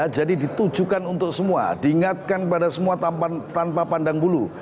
jadi ditujukan untuk semua diingatkan pada semua tanpa pandang bulu